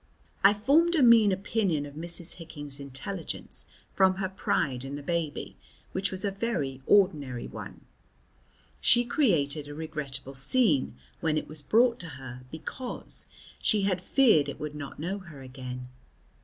I formed a mean opinion of Mrs. Hicking's intelligence from her pride in the baby, which was a very ordinary one. She created a regrettable scene when it was brought to her, because "she had been feared it would not know her again."